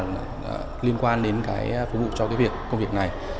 những cái môn học liên quan đến cái phục vụ cho cái việc công việc này